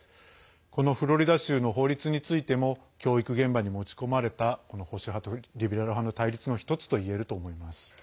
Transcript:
このフロリダ州の法律についても教育現場に持ち込まれた保守派とリベラル派の対立の１つといえると思います。